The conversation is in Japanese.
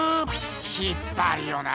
引っぱるよな。